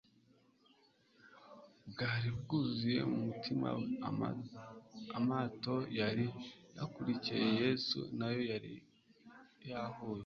bwari bwuzuye mu mutima we. Amato yari yakurikiye Yesu na yo yari yahuye